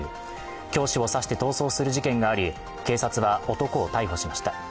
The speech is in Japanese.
教師を刺して逃走する事件があり警察は男を逮捕しました。